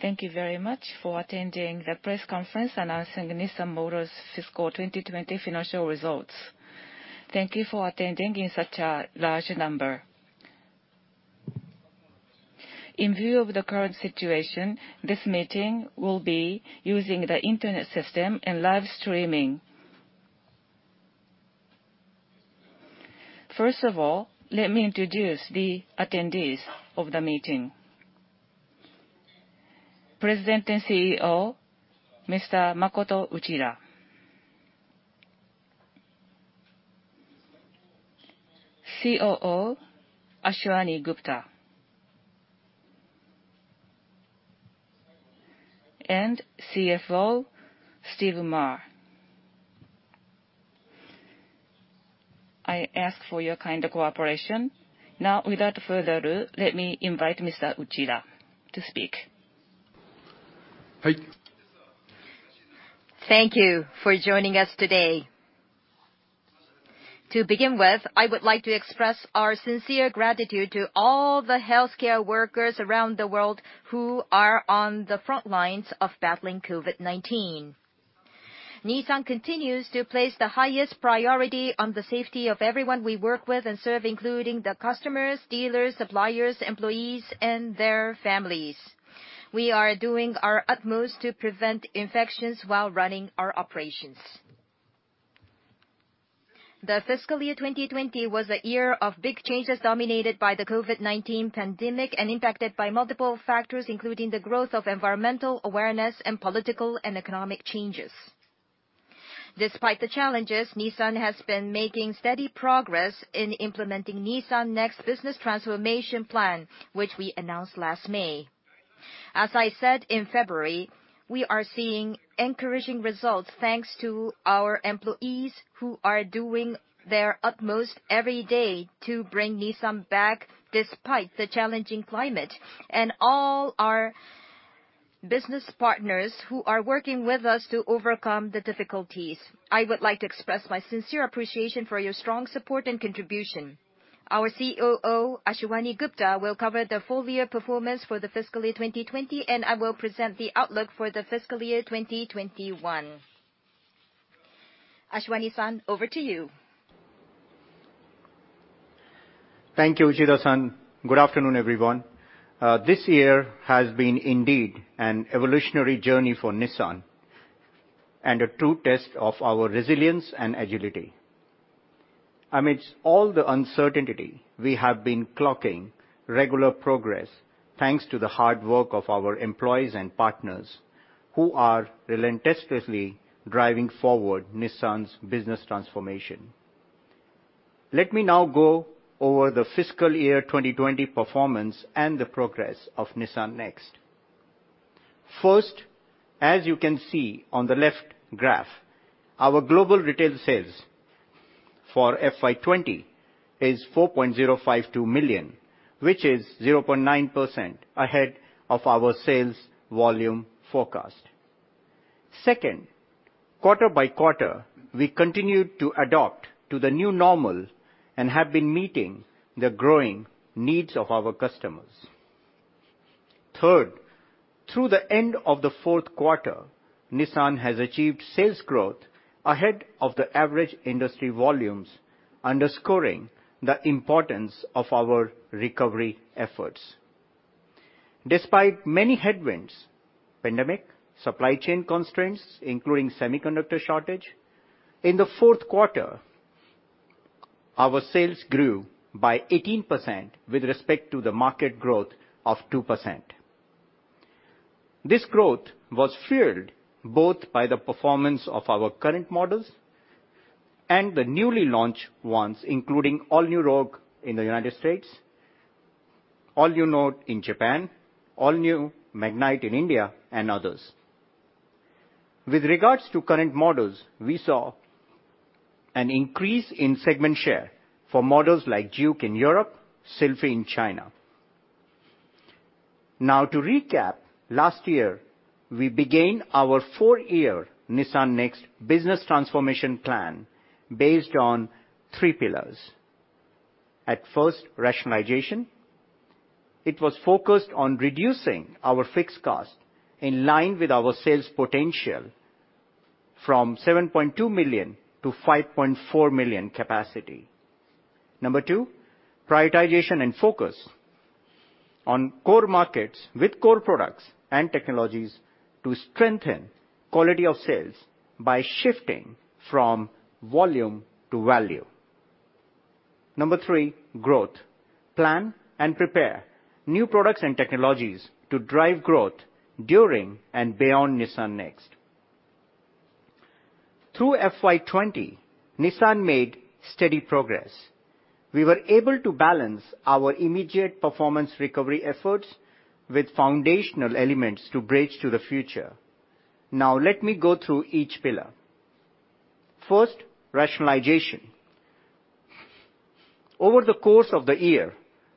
Thank you very much for attending the press conference announcing Nissan Motor's fiscal 2020 financial results. Thank you for attending in such a large number. In view of the current situation, this meeting will be using the internet system and live streaming. First of all, let me introduce the attendees of the meeting. President and CEO, Mr. Makoto Uchida. COO, Ashwani Gupta. CFO, Stephen Ma. I ask for your kind cooperation. Now, without further ado, let me invite Mr. Uchida to speak. Hi. Thank you for joining us today. To begin with, I would like to express our sincere gratitude to all the healthcare workers around the world who are on the front lines of battling COVID-19. Nissan continues to place the highest priority on the safety of everyone we work with and serve, including the customers, dealers, suppliers, employees, and their families. We are doing our utmost to prevent infections while running our operations. The fiscal year 2020 was a year of big changes dominated by the COVID-19 pandemic and impacted by multiple factors, including the growth of environmental awareness and political and economic changes. Despite the challenges, Nissan has been making steady progress in implementing Nissan NEXT business transformation plan, which we announced last May. As I said in February, we are seeing encouraging results thanks to our employees who are doing their utmost every day to bring Nissan back despite the challenging climate, and all our business partners who are working with us to overcome the difficulties. I would like to express my sincere appreciation for your strong support and contribution. Our COO, Ashwani Gupta, will cover the full year performance for the fiscal year 2020, and I will present the outlook for the fiscal year 2021. Ashwani-san, over to you. Thank you, Uchida-san. Good afternoon, everyone. This year has been indeed an evolutionary journey for Nissan and a true test of our resilience and agility. Amidst all the uncertainty, we have been clocking regular progress thanks to the hard work of our employees and partners who are relentlessly driving forward Nissan's business transformation. Let me now go over the fiscal year 2020 performance and the progress of Nissan NEXT. First, as you can see on the left graph, our global retail sales for FY 2020 is 4.052 million, which is 0.9% ahead of our sales volume forecast. Second, quarter by quarter, we continued to adapt to the new normal and have been meeting the growing needs of our customers. Third, through the end of the fourth quarter, Nissan has achieved sales growth ahead of the average industry volumes, underscoring the importance of our recovery efforts. Despite many headwinds, pandemic, supply chain constraints, including semiconductor shortage, in the fourth quarter, our sales grew by 18% with respect to the market growth of 2%. This growth was fueled both by the performance of our current models and the newly launched ones, including all-new Rogue in the United States, all-new Note in Japan, all-new Magnite in India and others. With regards to current models, we saw an increase in segment share for models like Juke in Europe, Sylphy in China. To recap, last year, we began our four-year Nissan NEXT business transformation plan based on three pillars. At first, rationalization. It was focused on reducing our fixed cost in line with our sales potential from 7.2 million-5.4 million capacity. Number two, prioritization and focus on core markets with core products and technologies to strengthen quality of sales by shifting from volume to value. Number three, growth. Plan and prepare new products and technologies to drive growth during and beyond Nissan NEXT. Through FY 2020, Nissan made steady progress. We were able to balance our immediate performance recovery efforts with foundational elements to bridge to the future. Now let me go through each pillar. First, rationalization. Over the course of the year,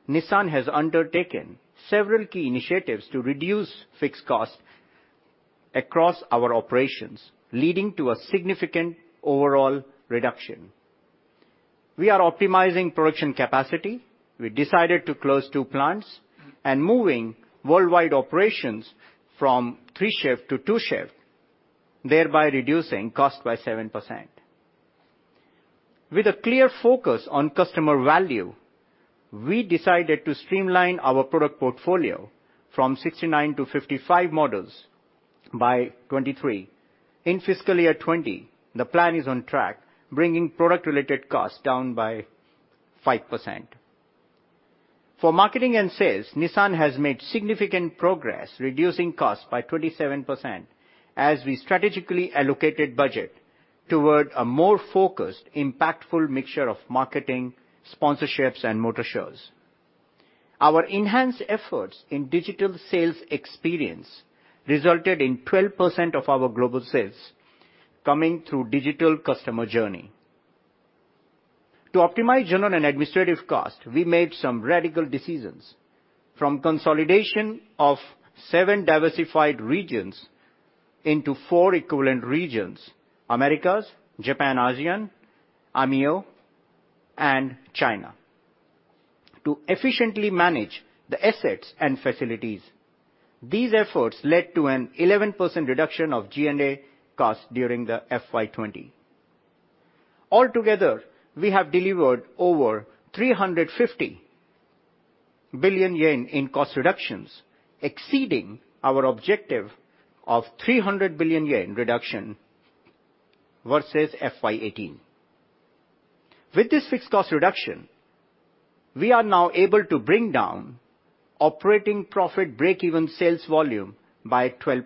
Nissan has undertaken several key initiatives to reduce fixed costs across our operations, leading to a significant overall reduction. We are optimizing production capacity. We decided to close two plants and moving worldwide operations from three shifts to two shifts, thereby reducing cost by 7%. With a clear focus on customer value, we decided to streamline our product portfolio from 69 to 55 models by 2023. In fiscal year 2020, the plan is on track, bringing product-related costs down by 5%. For marketing and sales, Nissan has made significant progress reducing costs by 27% as we strategically allocated budget toward a more focused, impactful mixture of marketing, sponsorships, and motor shows. Our enhanced efforts in digital sales experience resulted in 12% of our global sales coming through digital customer journey. To optimize general and administrative cost, we made some radical decisions from consolidation of seven diversified regions into four equivalent regions, Americas, Japan, ASEAN, EMEA, and China, to efficiently manage the assets and facilities. These efforts led to an 11% reduction of G&A cost during the FY 2020. Altogether, we have delivered over 350 billion yen in cost reductions, exceeding our objective of 300 billion yen reduction versus FY 2018. With this fixed cost reduction, we are now able to bring down operating profit breakeven sales volume by 12%.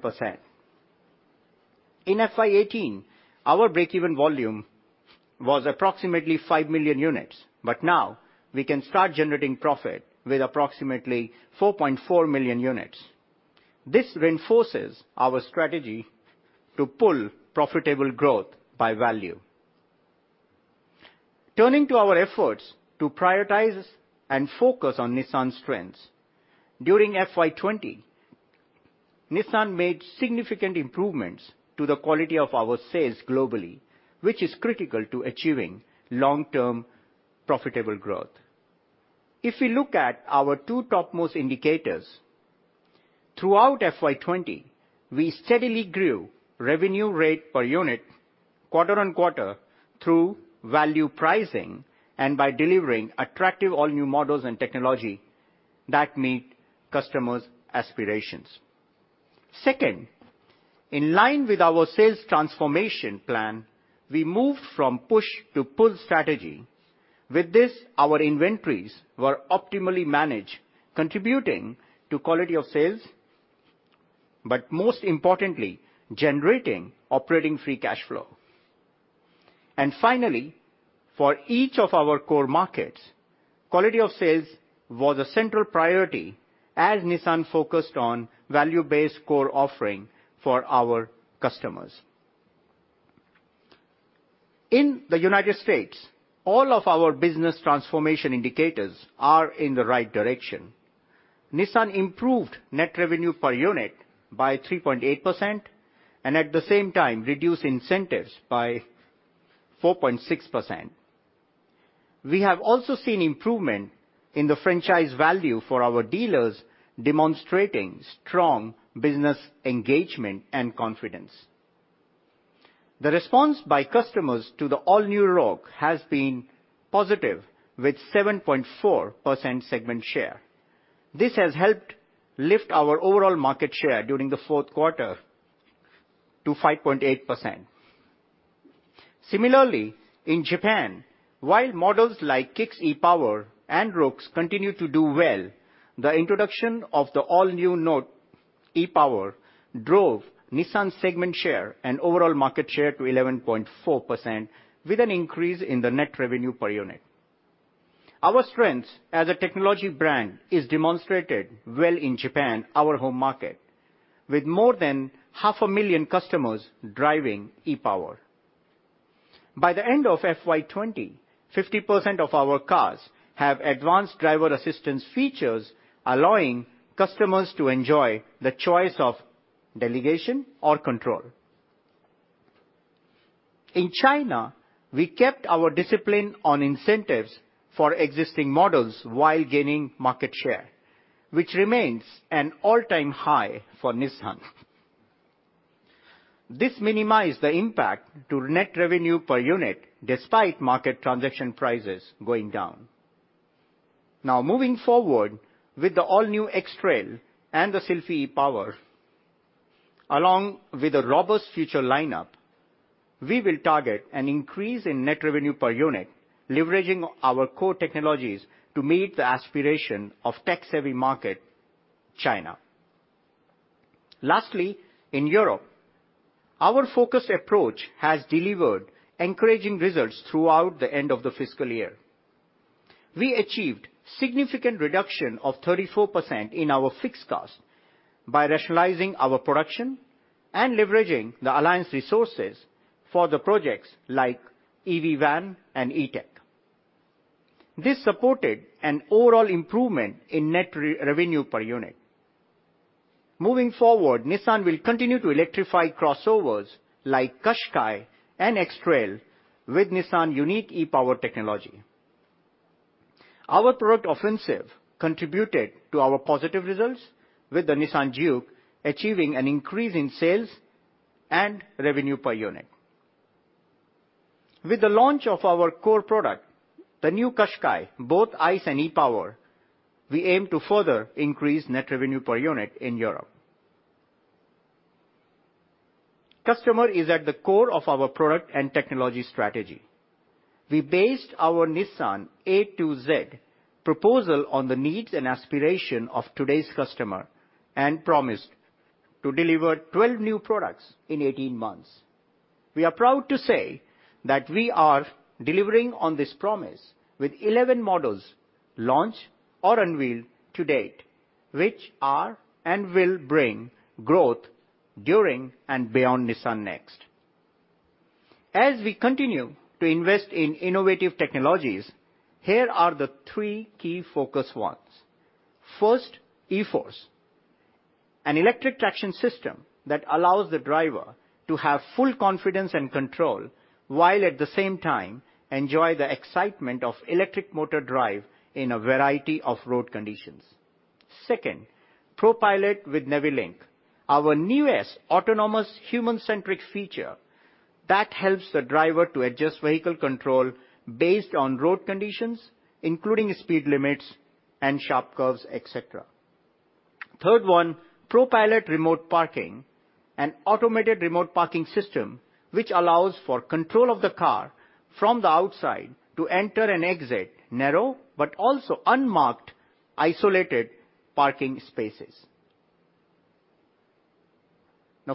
In FY 2018, our breakeven volume was approximately 5 million units. Now we can start generating profit with approximately 4.4 million units. This reinforces our strategy to pull profitable growth by value. Turning to our efforts to prioritize and focus on Nissan's strengths. During FY 2020, Nissan made significant improvements to the quality of our sales globally, which is critical to achieving long-term profitable growth. If we look at our two topmost indicators, throughout FY 2020, we steadily grew revenue rate per unit quarter-on-quarter through value pricing and by delivering attractive all-new models and technology that meet customers' aspirations. Second, in line with our sales transformation plan, we moved from push to pull strategy. With this, our inventories were optimally managed, contributing to quality of sales, but most importantly, generating operating free cash flow. Finally, for each of our core markets, quality of sales was a central priority as Nissan focused on value-based core offering for our customers. In the United States, all of our business transformation indicators are in the right direction. Nissan improved net revenue per unit by 3.8% and at the same time reduced incentives by 4.6%. We have also seen improvement in the franchise value for our dealers, demonstrating strong business engagement and confidence. The response by customers to the all-new Rogue has been positive, with 7.4% segment share. This has helped lift our overall market share during the fourth quarter to 5.8%. Similarly, in Japan, while models like Kicks e-POWER and Rogues continue to do well, the introduction of the all-new Note e-POWER drove Nissan segment share and overall market share to 11.4%, with an increase in the net revenue per unit. Our strength as a technology brand is demonstrated well in Japan, our home market, with more than 500,000 customers driving e-POWER. By the end of FY 2020, 50% of our cars have advanced driver assistance features, allowing customers to enjoy the choice of delegation or control. In China, we kept our discipline on incentives for existing models while gaining market share, which remains an all-time high for Nissan. This minimized the impact to net revenue per unit despite market transaction prices going down. Moving forward with the all-new X-Trail and the Sylphy e-POWER, along with a robust future lineup, we will target an increase in net revenue per unit, leveraging our core technologies to meet the aspiration of tech-savvy market, China. In Europe, our focused approach has delivered encouraging results throughout the end of the fiscal year. We achieved significant reduction of 34% in our fixed cost by rationalizing our production and leveraging the alliance resources for the projects like EV van and E-Tech. This supported an overall improvement in net revenue per unit. Moving forward, Nissan will continue to electrify crossovers like Qashqai and X-Trail with Nissan unique e-POWER technology. Our product offensive contributed to our positive results with the Nissan Juke achieving an increase in sales and revenue per unit. With the launch of our core product, the new Qashqai, both ICE and e-POWER, we aim to further increase net revenue per unit in Europe. Customer is at the core of our product and technology strategy. We based our Nissan A to Z proposal on the needs and aspiration of today's customer and promised to deliver 12 new products in 18 months. We are proud to say that we are delivering on this promise with 11 models launched or unveiled to date, which are and will bring growth during and beyond Nissan NEXT. As we continue to invest in innovative technologies, here are the three key focus ones. First, e-4ORCE, an electric traction system that allows the driver to have full confidence and control while at the same time enjoy the excitement of electric motor drive in a variety of road conditions. Second, ProPILOT with Navi-link, our newest autonomous human-centric feature that helps the driver to adjust vehicle control based on road conditions, including speed limits and sharp curves, et cetera. Third one, ProPILOT Remote Park, an automated remote parking system, which allows for control of the car from the outside to enter and exit narrow but also unmarked isolated parking spaces.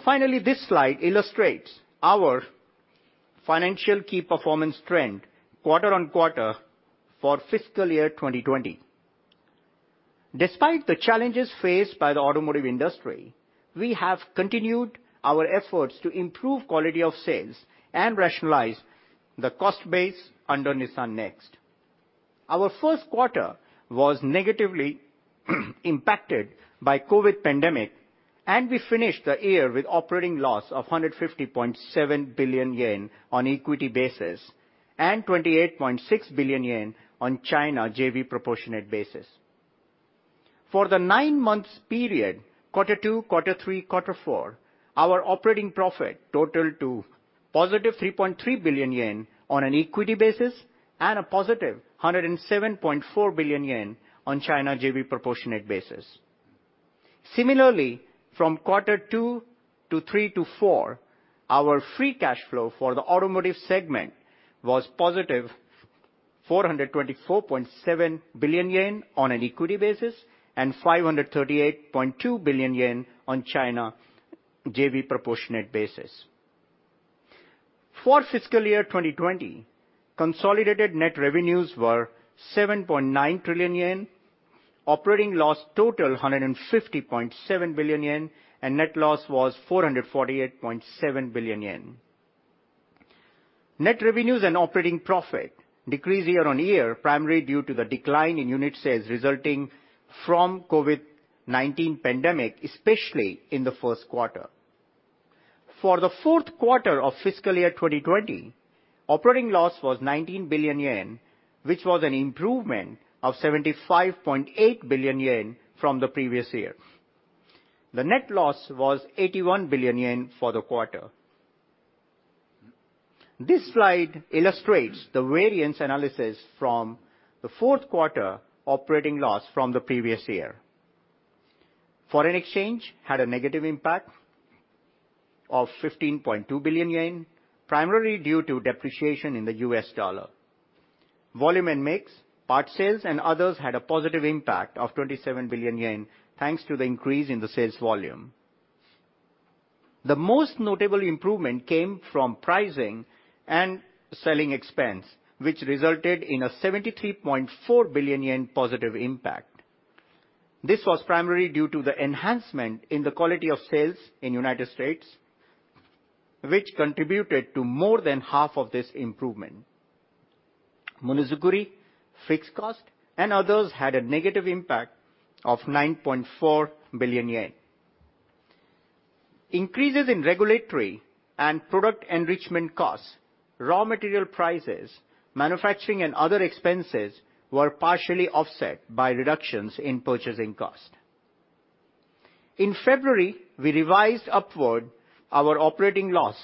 Finally, this slide illustrates our financial key performance trend quarter-on-quarter for fiscal year 2020. Despite the challenges faced by the automotive industry, we have continued our efforts to improve quality of sales and rationalize the cost base under Nissan NEXT. Our first quarter was negatively impacted by COVID-19 pandemic, and we finished the year with operating loss of 150.7 billion yen on equity basis and 28.6 billion yen on China JV proportionate basis. For the nine months period, quarter two, quarter three, quarter four, our operating profit totaled to positive 3.3 billion yen on an equity basis and a positive 107.4 billion yen on China JV proportionate basis. Similarly, from quarter two to three to four, our free cash flow for the automotive segment was positive 424.7 billion yen on an equity basis and 538.2 billion yen on China JV proportionate basis. For FY 2020, consolidated net revenues were 7.9 trillion yen, operating loss totaled 150.7 billion yen, and net loss was 448.7 billion yen. Net revenues and operating profit decreased year-on-year primarily due to the decline in unit sales resulting from COVID-19 pandemic, especially in the first quarter. For the fourth quarter of FY 2020, operating loss was 19 billion yen, which was an improvement of 75.8 billion yen from the previous year. The net loss was 81 billion yen for the quarter. This slide illustrates the variance analysis from the fourth quarter operating loss from the previous year. Foreign exchange had a negative impact of 15.2 billion yen, primarily due to depreciation in the U.S. dollar. Volume and mix, part sales, and others had a positive impact of 27 billion yen, thanks to the increase in the sales volume. The most notable improvement came from pricing and selling expense, which resulted in a 73.4 billion yen positive impact. This was primarily due to the enhancement in the quality of sales in United States, which contributed to more than half of this improvement. Monozukuri, fixed cost, and others had a negative impact of 9.4 billion yen. Increases in regulatory and product enrichment costs, raw material prices, manufacturing and other expenses were partially offset by reductions in purchasing cost. In February, we revised upward our operating loss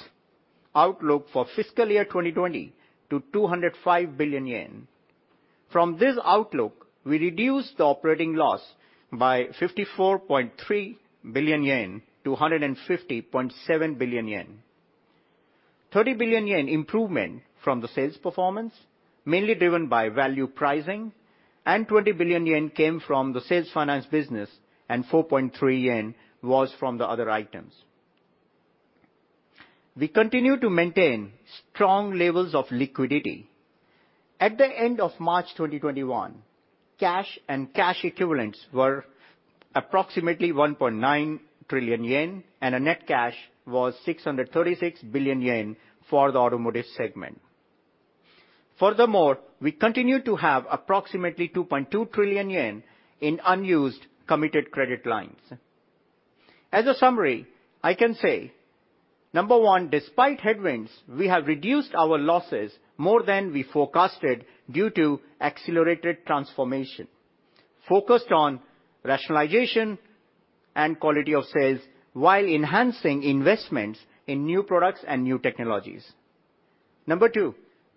outlook for fiscal year 2020 to 205 billion yen. From this outlook, we reduced the operating loss by 54.3 billion-150.7 billion yen. 30 billion yen improvement from the sales performance, mainly driven by value pricing, and 20 billion yen came from the sales finance business, and 4.3 billion yen was from the other items. We continue to maintain strong levels of liquidity. At the end of March 2021, cash and cash equivalents were approximately 1.9 trillion yen, and a net cash was 636 billion yen for the Automotive segment. We continue to have approximately 2.2 trillion yen in unused committed credit lines. As a summary, I can say, number one, despite headwinds, we have reduced our losses more than we forecasted due to accelerated transformation, focused on rationalization and quality of sales while enhancing investments in new products and new technologies. Number two,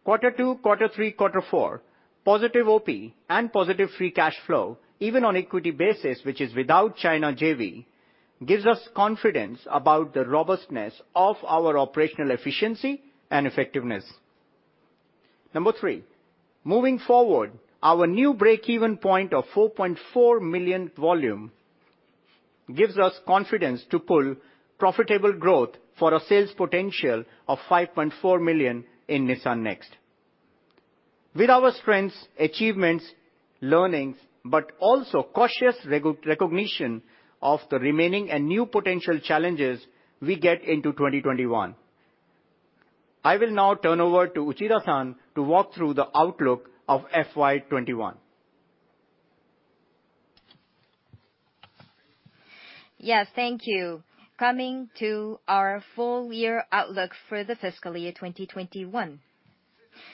Quarter two, Quarter three, Quarter four, positive OP and positive free cash flow, even on equity basis, which is without China JV, gives us confidence about the robustness of our operational efficiency and effectiveness. Number three, moving forward, our new break-even point of 4.4 million volume gives us confidence to pull profitable growth for a sales potential of 5.4 million in Nissan NEXT. With our strengths, achievements, learnings, but also cautious recognition of the remaining and new potential challenges, we get into 2021. I will now turn over to Uchida-san to walk through the outlook of FY 2021. Yes, thank you. Coming to our full year outlook for the fiscal year 2021.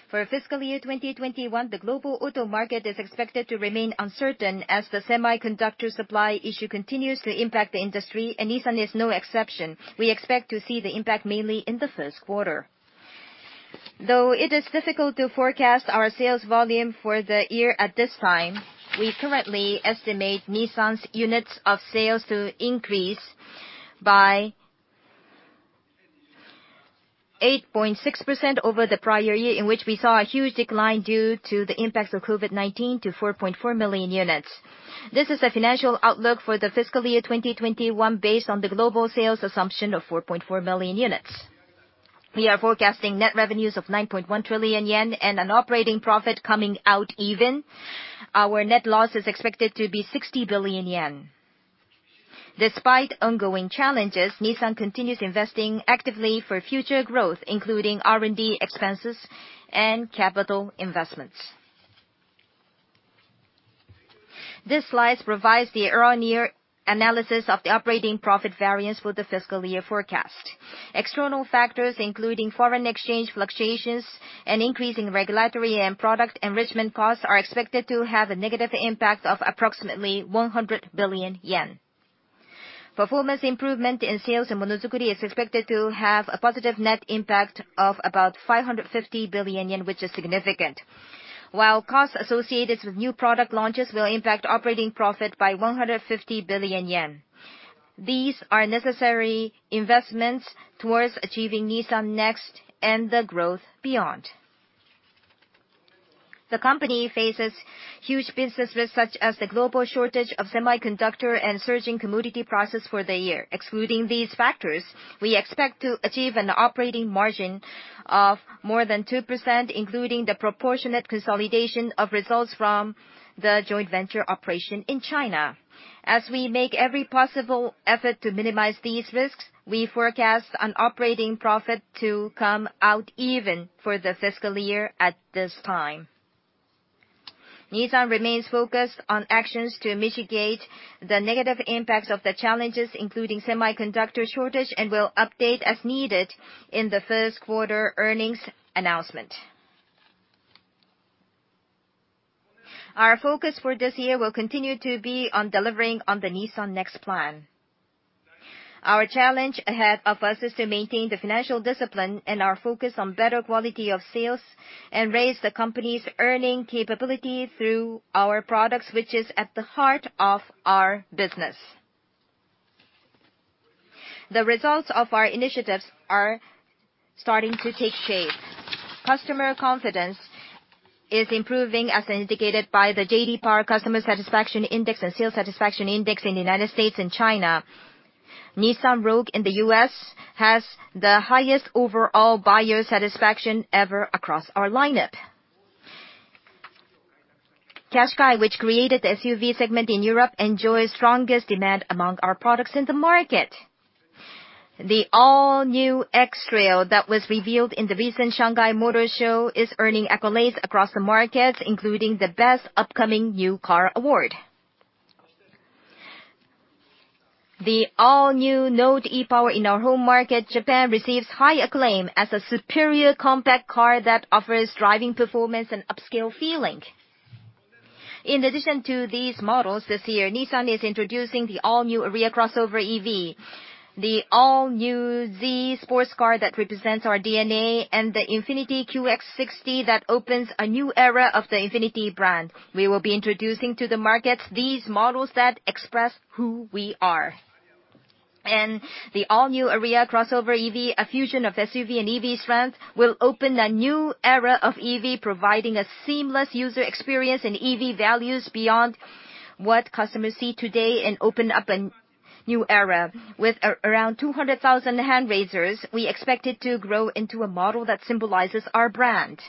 For fiscal year 2021, the global auto market is expected to remain uncertain as the semiconductor supply issue continues to impact the industry, and Nissan is no exception. We expect to see the impact mainly in the first quarter. Though it is difficult to forecast our sales volume for the year at this time, we currently estimate Nissan's units of sales to increase by 8.6% over the prior year, in which we saw a huge decline due to the impacts of COVID-19 to 4.4 million units. This is a financial outlook for the fiscal year 2021 based on the global sales assumption of 4.4 million units. We are forecasting net revenues of 9.1 trillion yen and an operating profit coming out even. Our net loss is expected to be 60 billion yen. Despite ongoing challenges, Nissan continues investing actively for future growth, including R&D expenses and capital investments. This slide provides the year-over-year analysis of the operating profit variance for the fiscal year forecast. External factors, including foreign exchange fluctuations and increasing regulatory and product enrichment costs, are expected to have a negative impact of approximately 100 billion yen. Performance improvement in sales and Monozukuri is expected to have a positive net impact of about 550 billion yen, which is significant, while costs associated with new product launches will impact operating profit by 150 billion yen. These are necessary investments towards achieving Nissan NEXT and the growth beyond. The company faces huge business risks such as the global shortage of semiconductor and surging commodity prices for the year. Excluding these factors, we expect to achieve an operating margin of more than 2%, including the proportionate consolidation of results from the joint venture operation in China. As we make every possible effort to minimize these risks, we forecast an operating profit to come out even for the fiscal year at this time. Nissan remains focused on actions to mitigate the negative impacts of the challenges, including semiconductor shortage, and will update as needed in the first quarter earnings announcement. Our focus for this year will continue to be on delivering on the Nissan NEXT plan. Our challenge ahead of us is to maintain the financial discipline and our focus on better quality of sales and raise the company's earning capability through our products, which is at the heart of our business. The results of our initiatives are starting to take shape. Customer confidence is improving, as indicated by the J.D. Power Customer Satisfaction Index and Sales Satisfaction Index in the U.S. and China. Nissan Rogue in the U.S. has the highest overall buyer satisfaction ever across our lineup. Qashqai, which created the SUV segment in Europe, enjoys strongest demand among our products in the market. The all-new X-Trail that was revealed in the recent Shanghai Motor Show is earning accolades across the markets, including the best upcoming new car award. The all-new Note e-POWER in our home market, Japan, receives high acclaim as a superior compact car that offers driving performance and upscale feeling. In addition to these models, this year, Nissan is introducing the all-new ARIYA Crossover EV, the all-new Z sports car that represents our DNA, and the INFINITI QX60 that opens a new era of the INFINITI brand. We will be introducing to the markets these models that express who we are. The all-new ARIYA Crossover EV, a fusion of SUV and EV strength, will open a new era of EV, providing a seamless user experience and EV values beyond what customers see today and open up a new era. With around 200,000 hand raisers, we expect it to grow into a model that symbolizes our brand.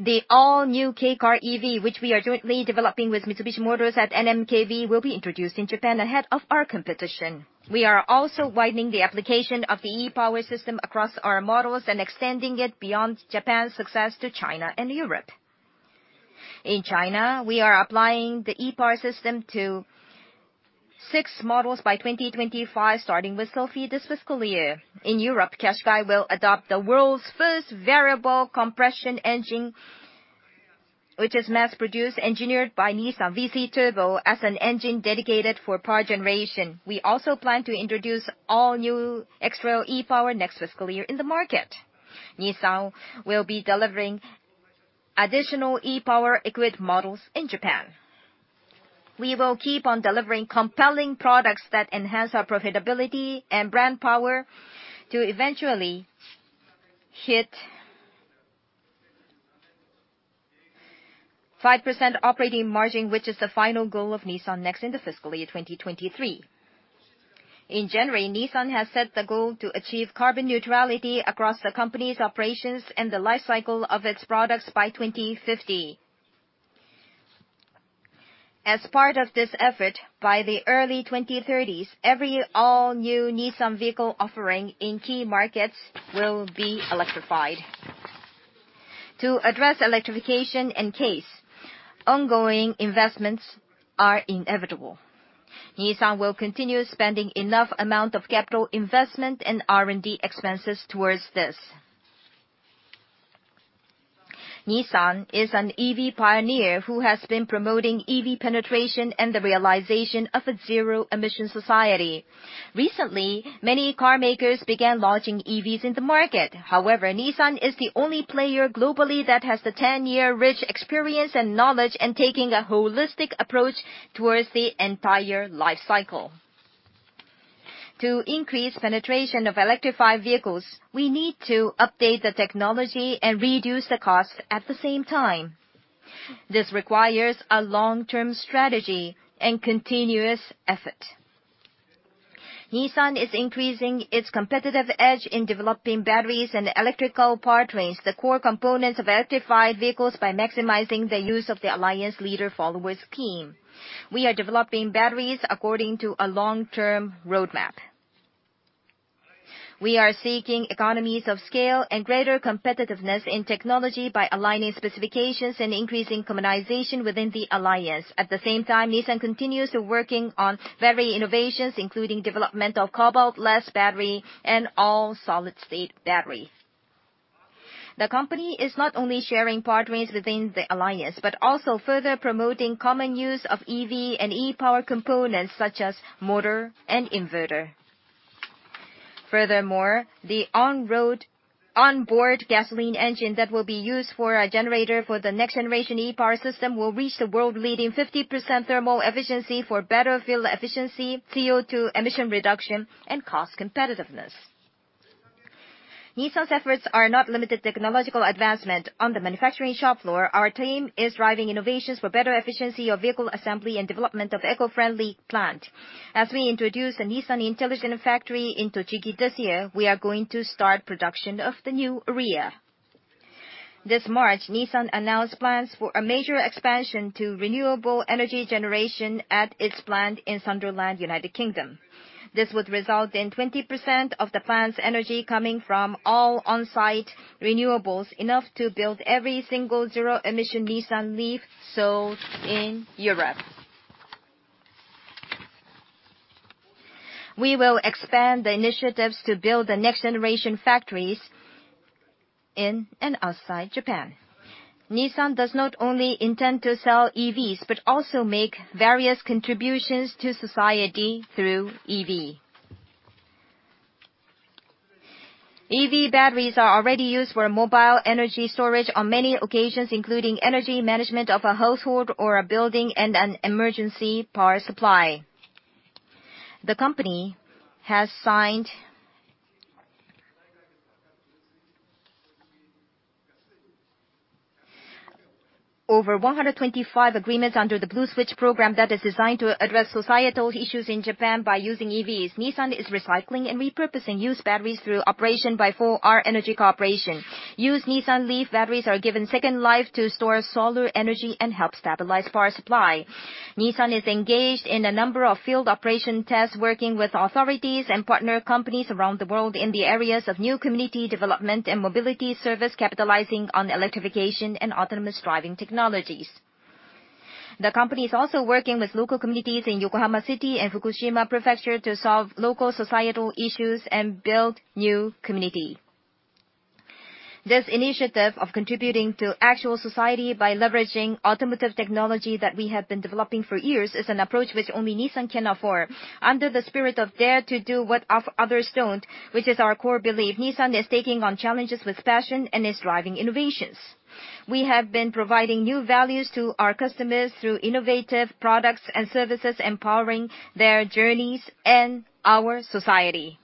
The all-new Kei EV, which we are jointly developing with Mitsubishi Motors and NMKV, will be introduced in Japan ahead of our competition. We are also widening the application of the e-POWER system across our models and extending it beyond Japan's success to China and Europe. In China, we are applying the e-POWER system to six models by 2025, starting with Sylphy this fiscal year. In Europe, Qashqai will adopt the world's first variable compression engine, which is mass-produced, engineered by Nissan, VC-Turbo, as an engine dedicated for power generation. We also plan to introduce all-new X-Trail e-POWER next fiscal year in the market. Nissan will be delivering additional e-POWER equipped models in Japan. We will keep on delivering compelling products that enhance our profitability and brand power to eventually hit 5% operating margin, which is the final goal of Nissan NEXT in the fiscal year 2023. In January, Nissan has set the goal to achieve carbon neutrality across the company's operations and the lifecycle of its products by 2050. As part of this effort, by the early 2030s, every all-new Nissan vehicle offering in key markets will be electrified. To address electrification and CASE, ongoing investments are inevitable. Nissan will continue spending enough amount of capital investment and R&D expenses towards this. Nissan is an EV pioneer who has been promoting EV penetration and the realization of a zero-emission society. Recently, many car makers began launching EVs into market. However, Nissan is the only player globally that has the 10-year rich experience and knowledge and taking a holistic approach towards the entire lifecycle. To increase penetration of electrified vehicles, we need to update the technology and reduce the cost at the same time. This requires a long-term strategy and continuous effort. Nissan is increasing its competitive edge in developing batteries and electrical powertrains, the core components of electrified vehicles, by maximizing the use of the alliance leader-follower scheme. We are developing batteries according to a long-term roadmap. We are seeking economies of scale and greater competitiveness in technology by aligning specifications and increasing commonization within the alliance. At the same time, Nissan continues to working on battery innovations, including developmental cobalt-less battery, and all solid-state battery. The company is not only sharing powertrains within the alliance, but also further promoting common use of EV and e-POWER components such as motor and inverter. Furthermore, the on-board gasoline engine that will be used for a generator for the next generation e-POWER system will reach the world-leading 50% thermal efficiency for better fuel efficiency, CO2 emission reduction, and cost competitiveness. Nissan's efforts are not limited to technological advancement. On the manufacturing shop floor, our team is driving innovations for better efficiency of vehicle assembly and development of eco-friendly plant. As we introduce a Nissan Intelligent Factory into Tochigi this year, we are going to start production of the new ARIYA. This March, Nissan announced plans for a major expansion to renewable energy generation at its plant in Sunderland, United Kingdom. This would result in 20% of the plant's energy coming from all on-site renewables, enough to build every single zero-emission Nissan LEAF sold in Europe. We will expand the initiatives to build the next generation factories in and outside Japan. Nissan does not only intend to sell EVs, but also make various contributions to society through EV. EV batteries are already used for mobile energy storage on many occasions, including energy management of a household or a building and an emergency power supply. The company has signed over 125 agreements under the Blue Switch program that is designed to address societal issues in Japan by using EVs. Nissan is recycling and repurposing used batteries through operation by 4R Energy Corporation. Used Nissan LEAF batteries are given second life to store solar energy and help stabilize power supply. Nissan is engaged in a number of field operation tests, working with authorities and partner companies around the world in the areas of new community development and mobility service, capitalizing on electrification and autonomous driving technologies. The company is also working with local communities in Yokohama City and Fukushima Prefecture to solve local societal issues and build new community. This initiative of contributing to actual society by leveraging automotive technology that we have been developing for years is an approach which only Nissan can afford. Under the spirit of "Dare to do what others don't," which is our core belief, Nissan is taking on challenges with passion and is driving innovations. We have been providing new values to our customers through innovative products and services, empowering their journeys and our society.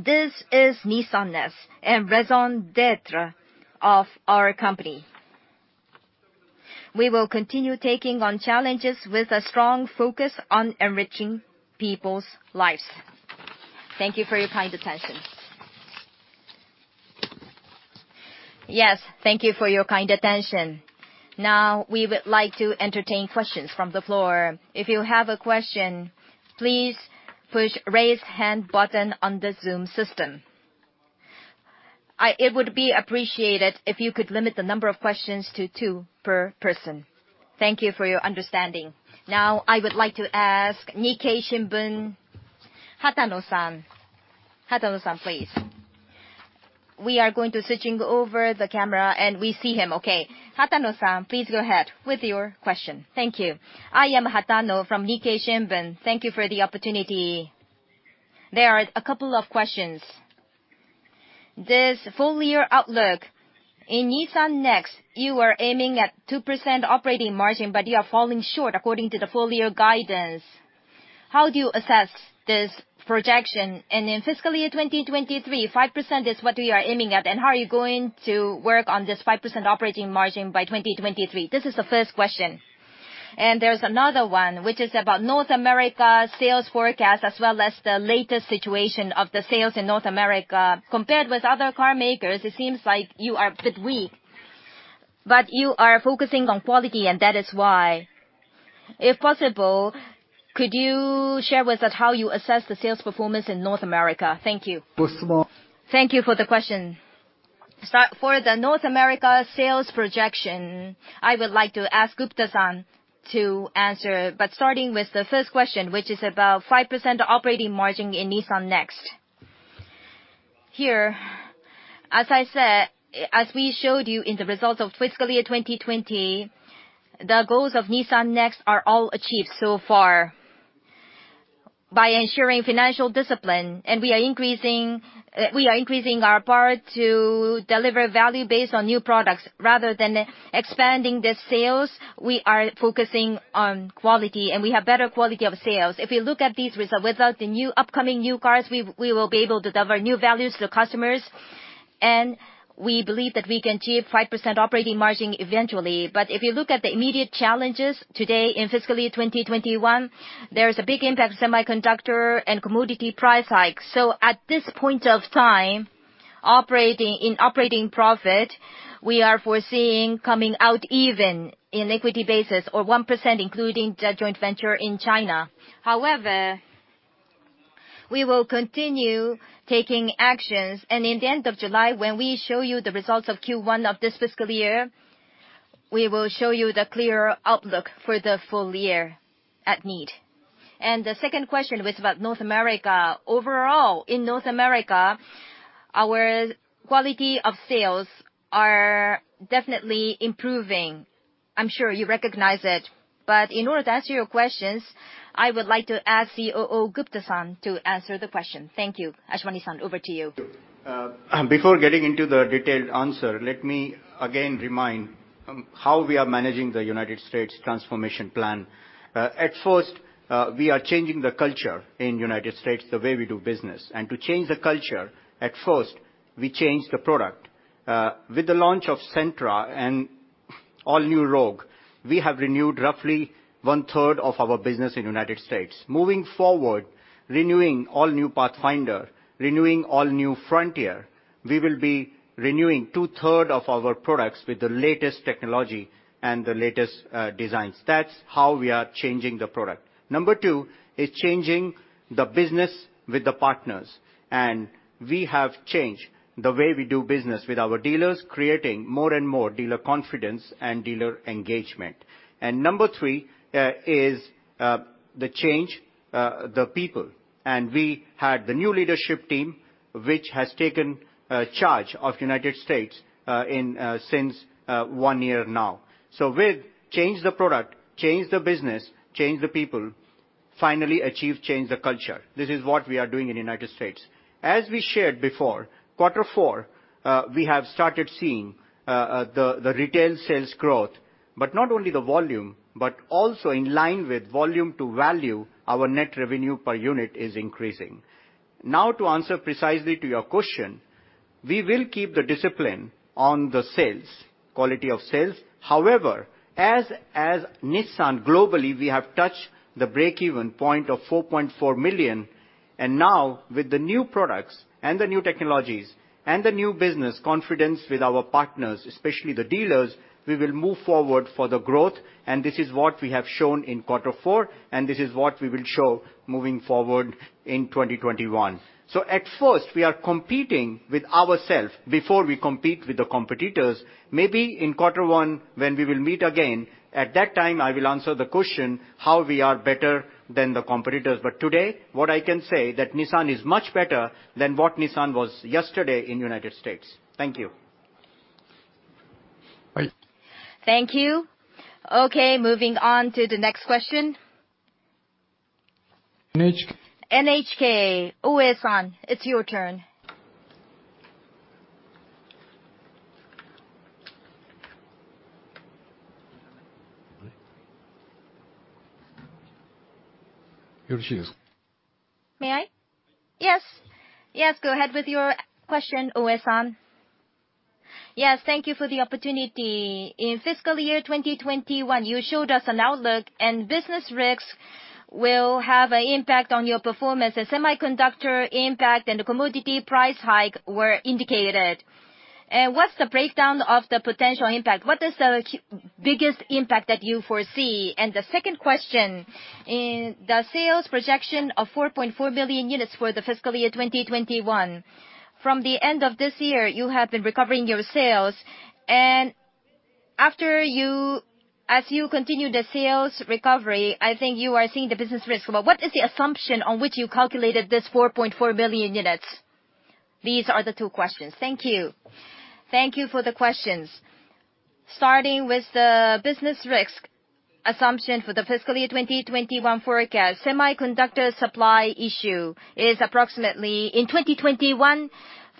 This is Nissan NEXT and raison d'être of our company. We will continue taking on challenges with a strong focus on enriching people's lives. Thank you for your kind attention. Yes, thank you for your kind attention. We would like to entertain questions from the floor. If you have a question, please push Raise Hand button on the Zoom system. It would be appreciated if you could limit the number of questions to two per person. Thank you for your understanding. I would like to ask Nikkei Shimbun, Hatano-san. Hatano-san, please. We are going to switching over the camera and we see him okay. Hatano-san, please go ahead with your question. Thank you. I am Hatano from Nikkei Shimbun. Thank you for the opportunity. There are a couple of questions. This full year outlook. In Nissan NEXT, you are aiming at 2% operating margin. You are falling short according to the full year guidance. How do you assess this projection? In fiscal year 2023, 5% is what we are aiming at, and how are you going to work on this 5% operating margin by 2023? This is the first question. There is another one, which is about North America sales forecast as well as the latest situation of the sales in North America. Compared with other car makers, it seems like you are a bit weak. You are focusing on quality, and that is why. If possible, could you share with us how you assess the sales performance in North America? Thank you. Thank you for the question. For the North America sales projection, I would like to ask Gupta-san to answer. Starting with the first question, which is about 5% operating margin in Nissan NEXT. Here, as we showed you in the results of FY 2020, the goals of Nissan NEXT are all achieved so far by ensuring financial discipline. We are increasing our power to deliver value based on new products. Rather than expanding the sales, we are focusing on quality, and we have better quality of sales. If you look at these results, without the upcoming new cars, we will be able to deliver new values to the customers. We believe that we can achieve 5% operating margin eventually. If you look at the immediate challenges today in FY 2021, there's a big impact of semiconductor and commodity price hike. At this point of time, in operating profit, we are foreseeing coming out even in equity basis, or 1% including the joint venture in China. We will continue taking actions. In the end of July, when we show you the results of Q1 of this fiscal year, we will show you the clear outlook for the full year at need. The second question was about North America. Overall, in North America, our quality of sales are definitely improving. I'm sure you recognize it. In order to answer your questions, I would like to ask COO Gupta-san to answer the question. Thank you. Ashwani-san, over to you. Before getting into the detailed answer, let me again remind how we are managing the U.S. transformation plan. At first, we are changing the culture in U.S., the way we do business. To change the culture, at first, we changed the product. With the launch of Sentra and all new Rogue, we have renewed roughly one-third of our business in U.S. Moving forward, renewing all new Pathfinder, renewing all new Frontier, we will be renewing two-third of our products with the latest technology and the latest designs. That's how we are changing the product. Number two is changing the business with the partners. We have changed the way we do business with our dealers, creating more and more dealer confidence and dealer engagement. Number 3 is the change the people.. We had the new leadership team, which has taken charge of the U.S. since one year now. With change the product, change the business, change the people, finally achieve change the culture. This is what we are doing in the U.S. As we shared before, quarter four, we have started seeing the retail sales growth. Not only the volume, but also in line with volume to value, our net revenue per unit is increasing. Now to answer precisely to your question, we will keep the discipline on the quality of sales. However, as Nissan globally, we have touched the break-even point of 4.4 million. Now with the new products and the new technologies and the new business confidence with our partners, especially the dealers, we will move forward for the growth. This is what we have shown in quarter four, and this is what we will show moving forward in 2021. At first, we are competing with ourself before we compete with the competitors. Maybe in quarter one, when we will meet again, at that time, I will answer the question how we are better than the competitors. Today, what I can say that Nissan is much better than what Nissan was yesterday in the U.S. Thank you. Thank you. Okay, moving on to the next question. NHK. NHK. Oe-san, it's your turn. May I? Yes. Yes, go ahead with your question, Oe-san. Yes, thank you for the opportunity. In fiscal year 2021, you showed us an outlook and business risks will have an impact on your performance. The semiconductor impact and the commodity price hike were indicated. What's the breakdown of the potential impact? What is the biggest impact that you foresee? The second question, in the sales projection of 4.4 million units for the fiscal year 2021. From the end of this year, you have been recovering your sales, and as you continue the sales recovery, I think you are seeing the business risk. What is the assumption on which you calculated this 4.4 million units? These are the two questions. Thank you. Thank you for the questions. Starting with the business risk assumption for the FY 2021 forecast, semiconductor supply issue is approximately, in 2021,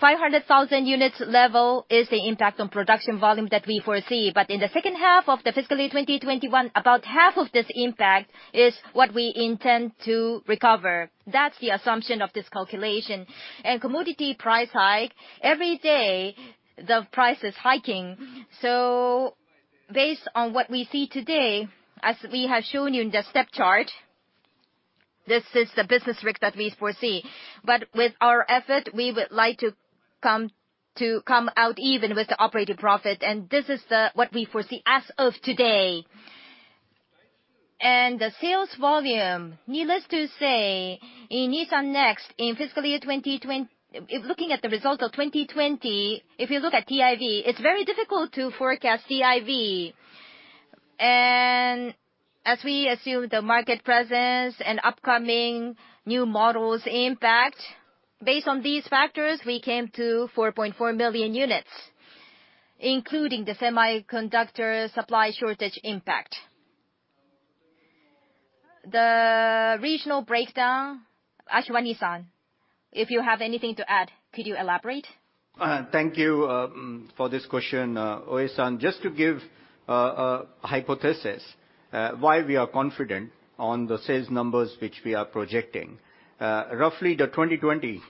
500,000 units level is the impact on production volume that we foresee. In the second half of the FY 2021, about half of this impact is what we intend to recover. That's the assumption of this calculation. Commodity price hike, every day the price is hiking. Based on what we see today, as we have shown you in the step chart, this is the business risk that we foresee. With our effort, we would like to come out even with the operating profit, and this is what we foresee as of today. The sales volume, needless to say, in Nissan NEXT, in fiscal year 2020. If looking at the result of 2020, if you look at TIV, it's very difficult to forecast TIV. As we assume, the market presence and upcoming new models impact. Based on these factors, we came to 4.4 million units, including the semiconductor supply shortage impact. The regional breakdown, Ashwani-san, if you have anything to add, could you elaborate? Thank you for this question, Oe-san. Just to give a hypothesis why we are confident on the sales numbers which we are projecting. Roughly the 2020,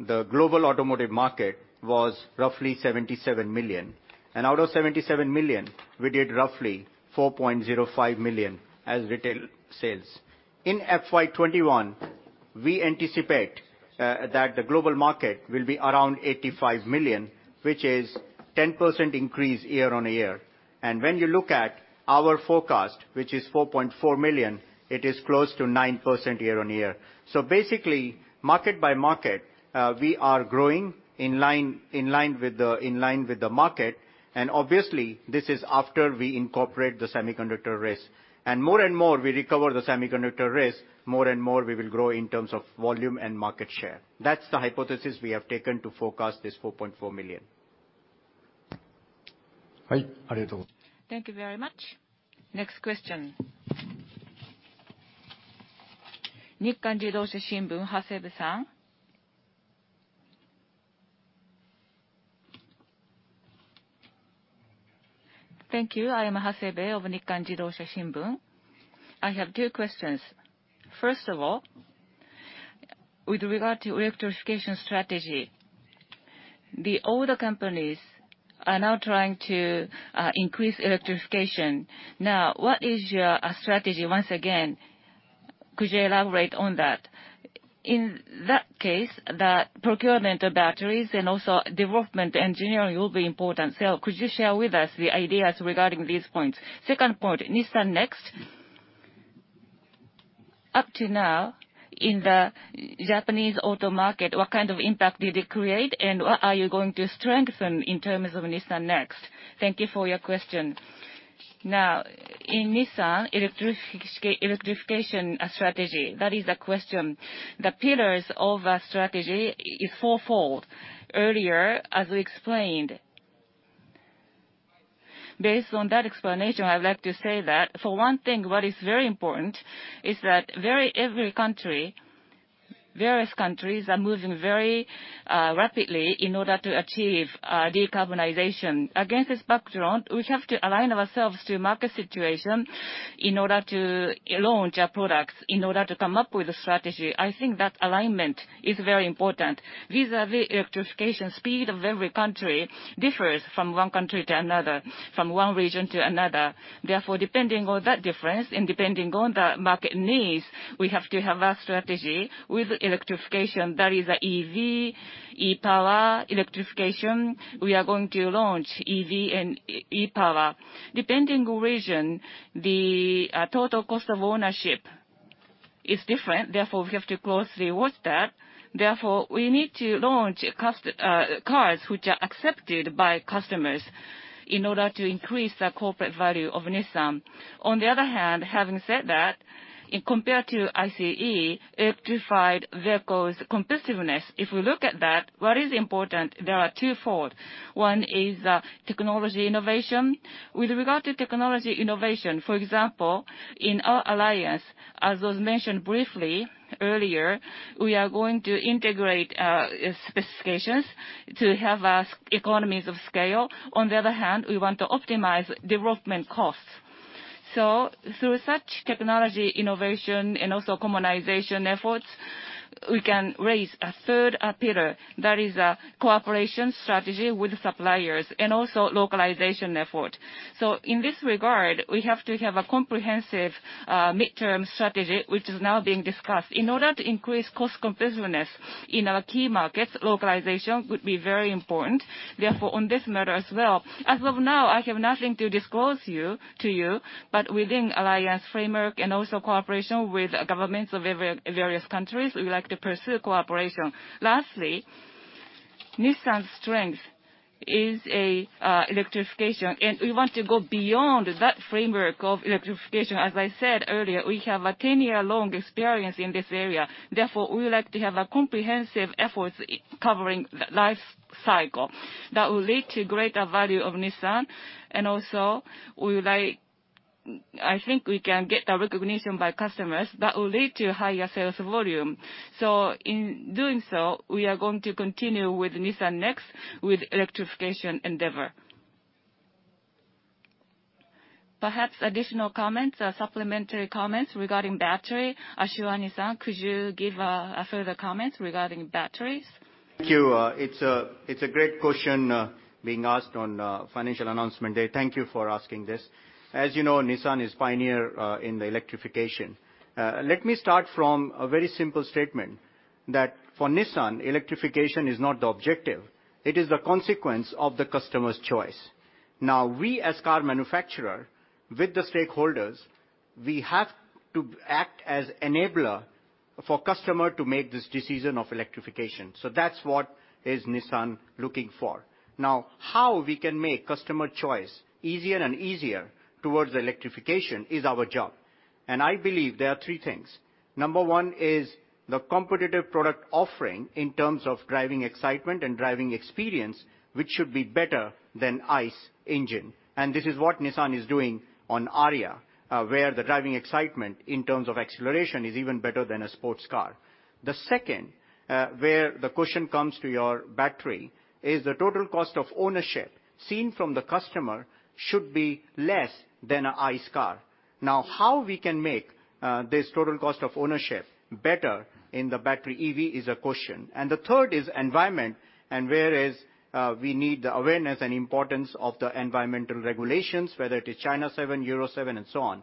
the global automotive market was roughly 77 million, and out of 77 million, we did roughly 4.05 million as retail sales. In FY 2021, we anticipate that the global market will be around 85 million, which is 10% increase year-on-year. When you look at our forecast, which is 4.4 million, it is close to 9% year-on-year. Basically, market-by-market, we are growing in line with the market, and obviously this is after we incorporate the semiconductor risk. More and more, we recover the semiconductor risk, more and more we will grow in terms of volume and market share. That's the hypothesis we have taken to forecast this 4.4 million. Thank you very much. Next question. Nikkan Jidosha Shimbun, Hasebe-san. Thank you. I am Hasebe of Nikkan Jidosha Shimbun. I have two questions. First of all, with regard to electrification strategy, the other companies are now trying to increase electrification. What is your strategy once again? Could you elaborate on that? In that case, the procurement of batteries and also development engineering will be important. Could you share with us the ideas regarding these points? Second point, Nissan NEXT. Up to now in the Japanese auto market, what kind of impact did it create, and what are you going to strengthen in terms of Nissan NEXT? Thank you for your question. In Nissan, electrification strategy, that is the question. The pillars of our strategy is fourfold. Earlier, as we explained, based on that explanation, I would like to say that for one thing, what is very important is that various countries are moving very rapidly in order to achieve decarbonization. Against this background, we have to align ourselves to market situation in order to launch our products, in order to come up with a strategy. I think that alignment is very important. Vis-à-vis electrification, speed of every country differs from one country to another, from one region to another. Depending on that difference and depending on the market needs, we have to have our strategy with electrification, that is EV, e-POWER, electrification. We are going to launch EV and e-POWER. Depending on region, the total cost of ownership is different, we have to closely watch that. Therefore, we need to launch cars which are accepted by customers in order to increase the corporate value of Nissan. On the other hand, having said that, in compared to ICE electrified vehicles' competitiveness, if we look at that, what is important, there are twofold. One is technology innovation. With regard to technology innovation, for example, in our alliance, as was mentioned briefly earlier, we are going to integrate specifications to have our economies of scale. On the other hand, we want to optimize development costs. Through such technology innovation and also commonization efforts, we can raise a third pillar that is a cooperation strategy with suppliers and also localization effort. In this regard, we have to have a comprehensive midterm strategy, which is now being discussed. In order to increase cost competitiveness in our key markets, localization would be very important. On this matter as well, as of now, I have nothing to disclose to you, but within alliance framework and also cooperation with governments of various countries, we would like to pursue cooperation. Lastly, Nissan's strength is electrification, and we want to go beyond that framework of electrification. As I said earlier, we have a 10-year long experience in this area. We would like to have a comprehensive effort covering the life cycle that will lead to greater value of Nissan. Also, I think we can get the recognition by customers that will lead to higher sales volume. In doing so, we are going to continue with Nissan NEXT with electrification endeavor. Perhaps additional comments or supplementary comments regarding battery. Ashwani-san, could you give further comments regarding batteries? Thank you. It's a great question being asked on financial announcement day. Thank you for asking this. As you know, Nissan is pioneer in the electrification. Let me start from a very simple statement that for Nissan, electrification is not the objective, it is the consequence of the customer's choice. We as car manufacturer, with the stakeholders, we have to act as enabler for customer to make this decision of electrification. That's what is Nissan looking for. How we can make customer choice easier and easier towards electrification is our job. I believe there are three things. Number one is the competitive product offering in terms of driving excitement and driving experience, which should be better than ICE engine. This is what Nissan is doing on ARIYA, where the driving excitement in terms of acceleration is even better than a sports car. The second, where the question comes to your battery, is the total cost of ownership seen from the customer should be less than a ICE car. How we can make this total cost of ownership better in the battery EV is a question, and the third is environment, and whereas we need the awareness and importance of the environmental regulations, whether it is China 7, Euro 7, and so on.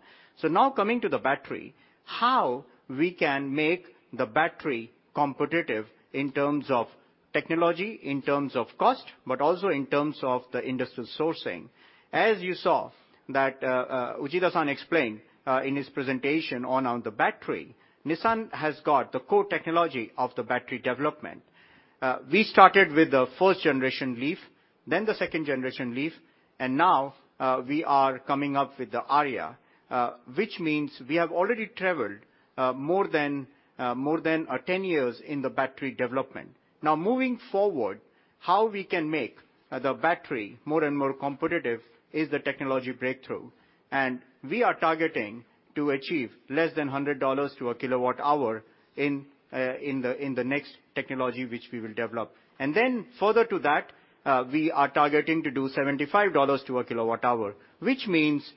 Coming to the battery, how we can make the battery competitive in terms of technology, in terms of cost, but also in terms of the industrial sourcing. As you saw that, Uchida-san explained in his presentation on the battery, Nissan has got the core technology of the battery development. We started with the first generation LEAF, then the second generation LEAF. Now we are coming up with the ARIYA, which means we have already traveled more than 10 years in the battery development. Now moving forward, how we can make the battery more and more competitive is the technology breakthrough. We are targeting to achieve less than $100 to a kWh in the next technology which we will develop. Further to that, we are targeting to do $75 to a kWh, which means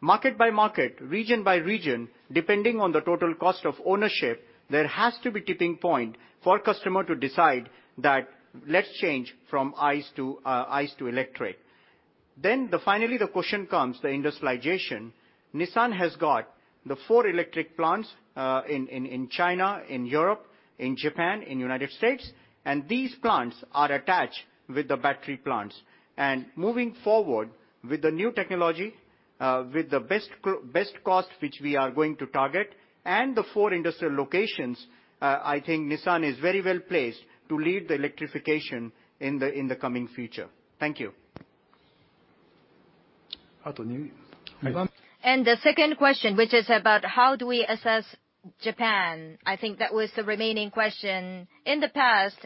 market by market, region by region, depending on the total cost of ownership, there has to be tipping point for customer to decide that let's change from ICE to electric. Finally, the question comes the industrialization. Nissan has got the four electric plants in China, in Europe, in Japan, in United States, and these plants are attached with the battery plants. Moving forward with the new technology, with the best cost which we are going to target, and the four industrial locations, I think Nissan is very well-placed to lead the electrification in the coming future. Thank you. The second question, which is about how do we assess Japan? I think that was the remaining question. In the past,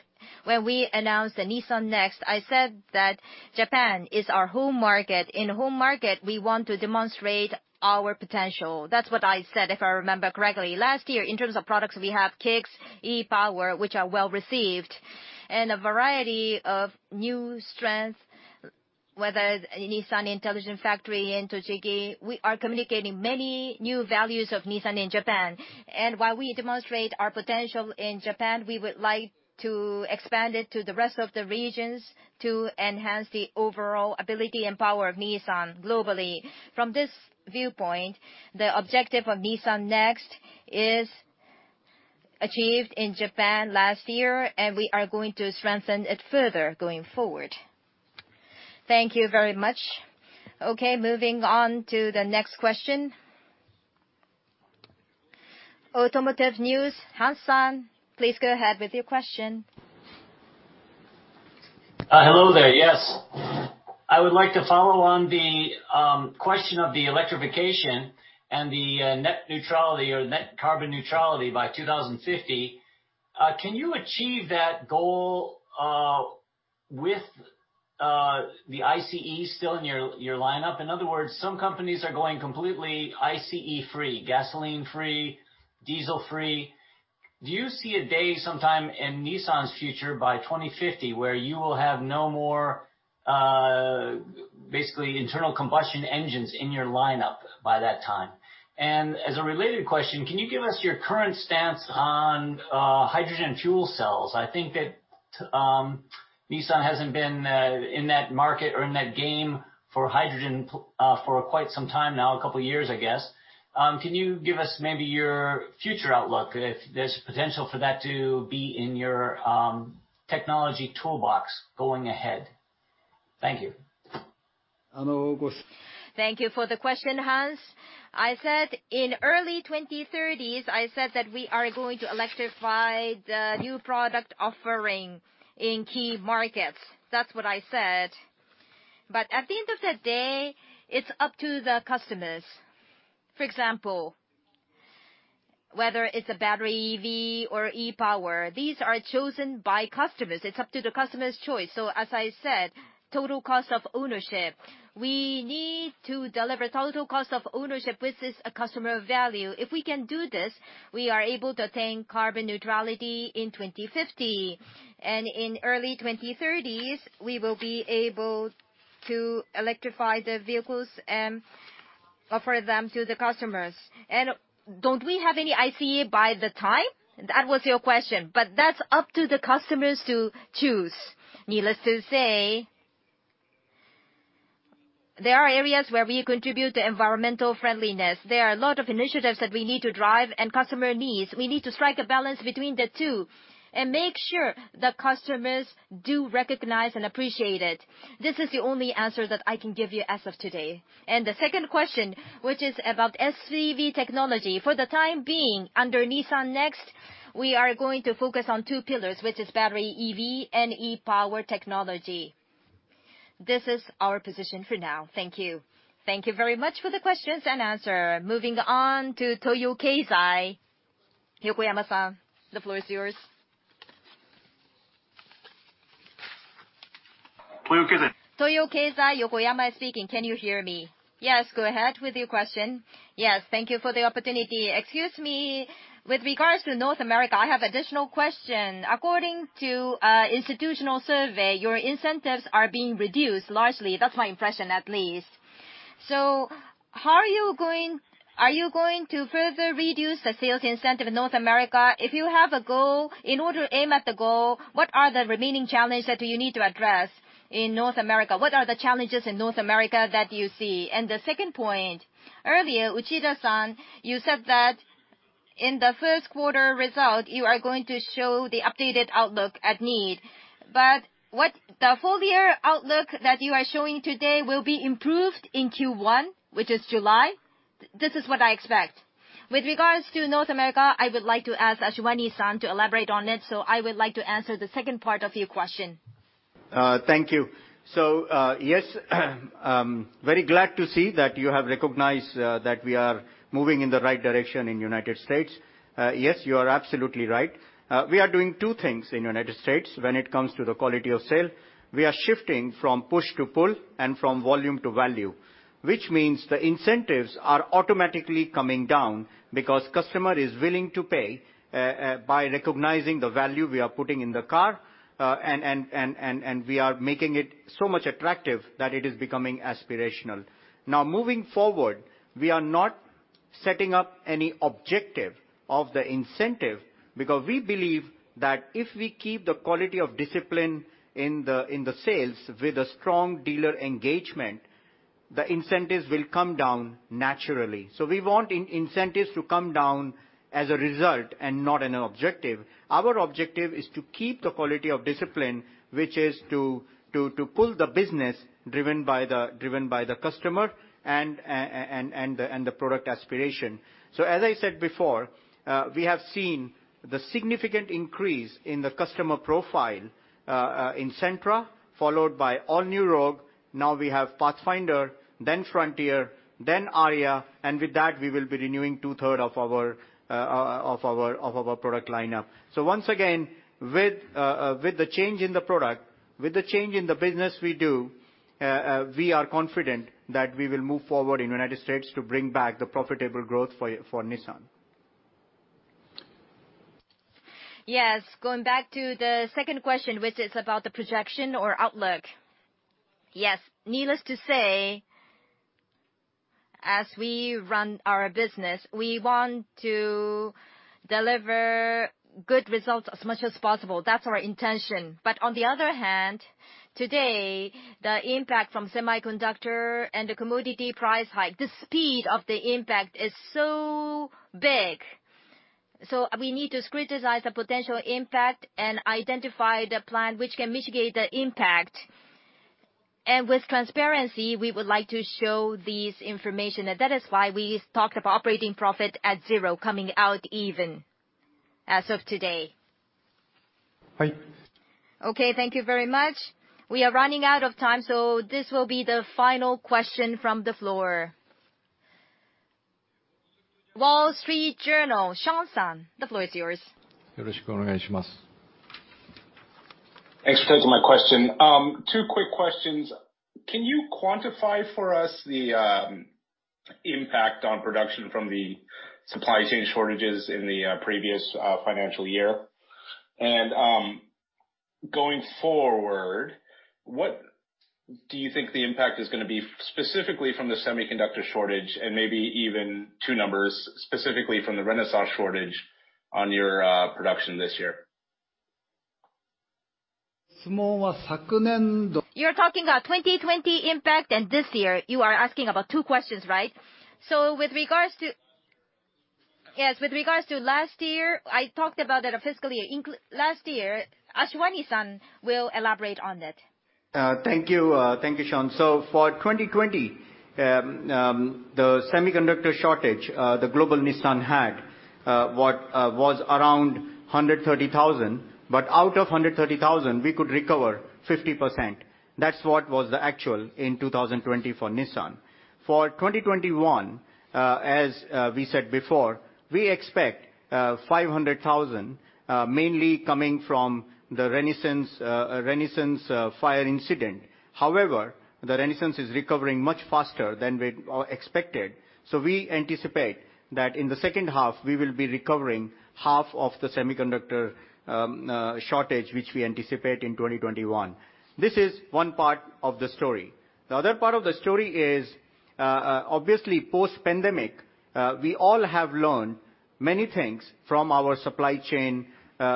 when we announced the Nissan NEXT, I said that Japan is our home market. In home market, we want to demonstrate our potential. That's what I said, if I remember correctly. Last year, in terms of products, we have Kicks e-POWER, which are well-received, and a variety of new strength, whether Nissan Intelligent Factory in Tochigi. We are communicating many new values of Nissan in Japan. While we demonstrate our potential in Japan, we would like to expand it to the rest of the regions to enhance the overall ability and power of Nissan globally. From this viewpoint, the objective of Nissan NEXT is achieved in Japan last year, and we are going to strengthen it further going forward. Thank you very much. Okay, moving on to the next question. Automotive News, Hans-san, please go ahead with your question. Hello there. Yes. I would like to follow on the question of the electrification and the net neutrality or net carbon neutrality by 2050. Can you achieve that goal with the ICE still in your lineup? In other words, some companies are going completely ICE free, gasoline free, diesel free. Do you see a day sometime in Nissan's future by 2050 where you will have no more, basically, internal combustion engines in your lineup by that time? As a related question, can you give us your current stance on hydrogen fuel cells? I think that Nissan hasn't been in that market or in that game for hydrogen for quite some time now, a couple of years, I guess. Can you give us maybe your future outlook if there's potential for that to be in your technology toolbox going ahead? Thank you. Thank you for the question, Hans. I said in early 2030s, I said that we are going to electrify the new product offering in key markets. That's what I said. At the end of the day, it's up to the customers. For example, whether it's a battery EV, or e-POWER, these are chosen by customers. It's up to the customer's choice. As I said, total cost of ownership. We need to deliver total cost of ownership, which is a customer value. If we can do this, we are able to attain carbon neutrality in 2050. In early 2030s, we will be able to electrify the vehicles and offer them to the customers. Don't we have any ICE by the time? That was your question. That's up to the customers to choose. Needless to say, there are areas where we contribute to environmental friendliness. There are a lot of initiatives that we need to drive and customer needs. We need to strike a balance between the two and make sure the customers do recognize and appreciate it. This is the only answer that I can give you as of today. The second question, which is about FCEV technology. For the time being, under Nissan NEXT, we are going to focus on two pillars, which is battery EV and e-POWER technology. This is our position for now. Thank you. Thank you very much for the questions and answer. Moving on to Toyo Keizai. Yokoyama-san, the floor is yours. Toyo Keizai. Toyo Keizai, Yokoyama speaking. Can you hear me? Yes, go ahead with your question. Yes. Thank you for the opportunity. Excuse me. With regards to North America, I have additional question. According to institutional survey, your incentives are being reduced largely. That's my impression at least. Are you going to further reduce the sales incentive in North America? If you have a goal, in order to aim at the goal, what are the remaining challenges that you need to address in North America? What are the challenges in North America that you see? The second point, earlier, Uchida-san, you said that in the first quarter result, you are going to show the updated outlook at need. What the full year outlook that you are showing today will be improved in Q1, which is July? This is what I expect. With regards to North America, I would like to ask Ashwani-san to elaborate on it, so I would like to answer the second part of your question. Thank you. Yes, very glad to see that you have recognized that we are moving in the right direction in United States. Yes, you are absolutely right. We are doing two things in United States when it comes to the quality of sale. We are shifting from push to pull and from volume to value, which means the incentives are automatically coming down because customer is willing to pay by recognizing the value we are putting in the car. We are making it so much attractive that it is becoming aspirational. Now moving forward, we are not setting up any objective of the incentive because we believe that if we keep the quality of discipline in the sales with a strong dealer engagement, the incentives will come down naturally. We want incentives to come down as a result and not in an objective. Our objective is to keep the quality of discipline, which is to pull the business driven by the customer and the product aspiration. As I said before, we have seen the significant increase in the customer profile in Sentra, followed by all new Rogue. Now we have Pathfinder, then Frontier, then ARIYA, and with that we will be renewing 2/3 of our product lineup. Once again, with the change in the product, with the change in the business we do, we are confident that we will move forward in the U.S. to bring back the profitable growth for Nissan. Yes. Going back to the second question, which is about the projection or outlook. Yes. Needless to say, as we run our business, we want to deliver good results as much as possible. That's our intention. On the other hand, today, the impact from semiconductor and the commodity price hike, the speed of the impact is so big. We need to scrutinize the potential impact and identify the plan which can mitigate the impact. With transparency, we would like to show this information, and that is why we talked about operating profit at zero coming out even as of today. Okay. Thank you very much. We are running out of time, this will be the final question from the floor. The Wall Street Journal, Sean-san, the floor is yours. Thanks for taking my question. Two quick questions. Can you quantify for us the impact on production from the supply chain shortages in the previous financial year? Going forward, what do you think the impact is going to be specifically from the semiconductor shortage and maybe even two numbers, specifically from the Renesas shortage on your production this year? You're talking about 2020 impact and this year. You are asking about two questions, right? Yes, with regards to last year, I talked about that fiscal year, last year. Ashwani-san will elaborate on it. Thank you. Thank you, Sean. For 2020, the semiconductor shortage that Global Nissan had was around 130,000. Out of 130,000, we could recover 50%. That's what was the actual in 2020 for Nissan. For 2021, as we said before, we expect 500,000, mainly coming from the Renesas fire incident. However, Renesas is recovering much faster than we expected. We anticipate that in the second half, we will be recovering half of the semiconductor shortage, which we anticipate in 2021. This is one part of the story. The other part of the story is, obviously post-pandemic, we all have learned many things from our supply chain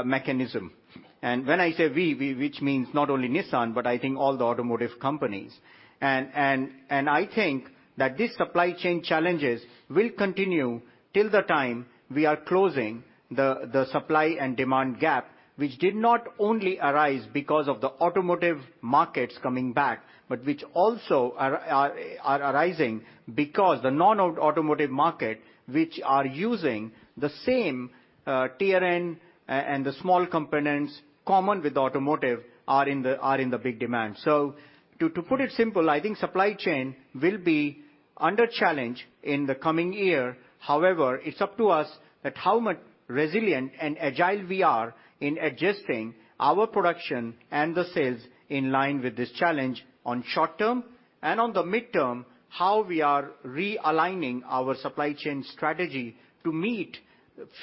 mechanism. When I say we, which means not only Nissan, but I think all the automotive companies. I think that these supply chain challenges will continue till the time we are closing the supply and demand gap, which did not only arise because of the automotive markets coming back, but which also are arising because the non-automotive market, which are using the same Tier 1 and the small components common with automotive, are in the big demand. To put it simple, I think supply chain will be under challenge in the coming year. However, it's up to us at how resilient and agile we are in adjusting our production and the sales in line with this challenge on short-term. On the mid-term, how we are realigning our supply chain strategy to meet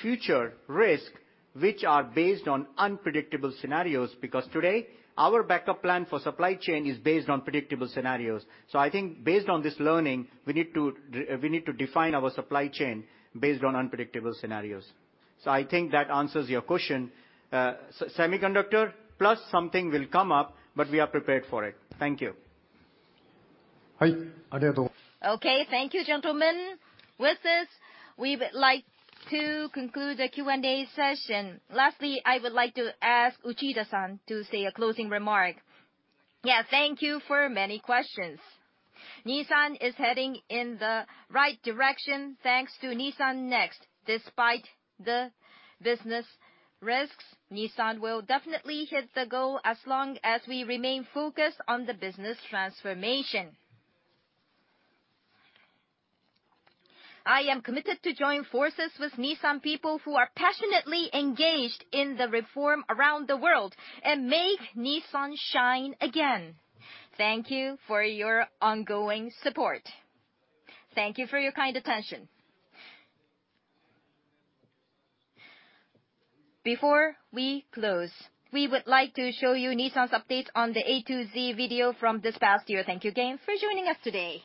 future risk, which are based on unpredictable scenarios. Today, our backup plan for supply chain is based on predictable scenarios. I think based on this learning, we need to define our supply chain based on unpredictable scenarios. I think that answers your question. Semiconductor plus something will come up, but we are prepared for it. Thank you. Okay, thank you, gentlemen. With this, we would like to conclude the Q&A session. Lastly, I would like to ask Uchida-san to say a closing remark. Yeah, thank you for many questions. Nissan is heading in the right direction thanks to Nissan NEXT. Despite the business risks, Nissan will definitely hit the goal as long as we remain focused on the business transformation. I am committed to join forces with Nissan people who are passionately engaged in the reform around the world and make Nissan shine again. Thank you for your ongoing support. Thank you for your kind attention. Before we close, we would like to show you Nissan's update on the A to Z video from this past year. Thank you again for joining us today.